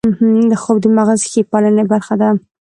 خوب د مغز ښې پالنې برخه ده